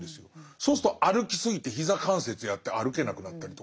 そうすると歩き過ぎて膝関節やって歩けなくなったりとか。